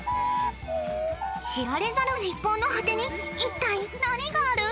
知られざる日本の果てに一体何がある？